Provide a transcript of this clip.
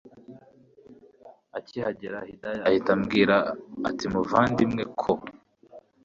akihagera Hidaya ahita ambwira atimuvandi ko